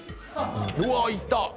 うわっいった！